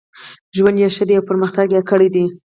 ژوند یې ښه دی او پرمختګ یې کړی دی.